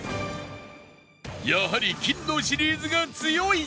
やはり金のシリーズが強い！